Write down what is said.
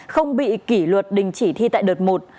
không bị kỷ luật đình chỉ thi tại đợt một